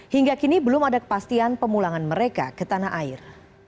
hingga kini belum ada kepastian pemulangan mereka ke tanah air